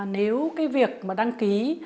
nếu cái việc mà đăng ký